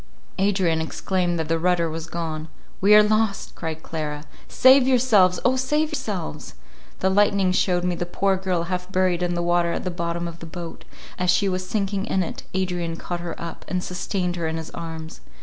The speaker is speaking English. Adrian exclaimed that the rudder was gone;—"We are lost," cried Clara, "Save yourselves—O save yourselves!" The lightning shewed me the poor girl half buried in the water at the bottom of the boat; as she was sinking in it Adrian caught her up, and sustained her in his arms.